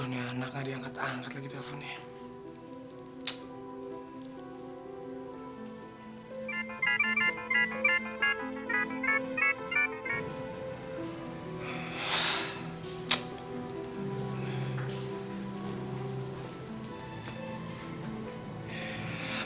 anak gak diangkat angkat lagi teleponnya